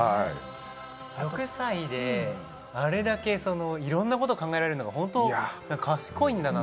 ６歳であれだけいろいろなことが考えられるのが、本当賢いんだなって。